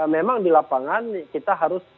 memang di lapangan kita harus